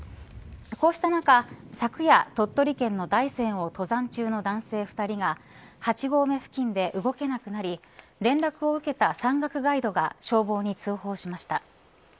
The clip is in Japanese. こうした中、昨夜鳥取県の大山を登山中の男性２人が８合目付近で動けなくなり連絡を受けた山岳ガイドが消防に通報しました。